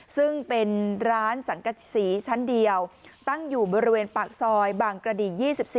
ซึ่งเป็นร้านสังกษีชั้นเดียวตั้งอยู่บริเวณปากซอยบางกระดี๒๔